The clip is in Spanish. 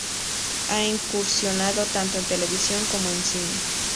Ha incursionado tanto en televisión, como en cine.